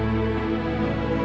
tapi patah sedikit